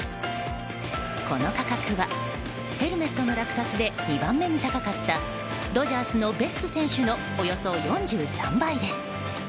この価格は、ヘルメットの落札で２番目に高かったドジャースのベッツ選手のおよそ４３倍です。